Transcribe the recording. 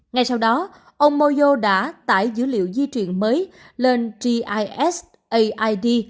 ngay sau đó ông moyo đã tải dữ liệu di chuyển mới lên gis aid